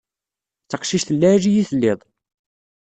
D taqcict n lɛali i telliḍ.